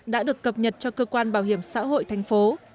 đã được cập nhật cho cơ quan bảo hiểm xã hội thành phố